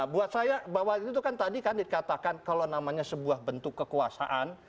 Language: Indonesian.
buat saya bahwa itu kan tadi kan dikatakan kalau namanya sebuah bentuk kekuasaan